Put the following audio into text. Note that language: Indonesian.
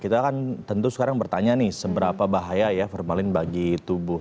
kita kan tentu sekarang bertanya nih seberapa bahaya ya formalin bagi tubuh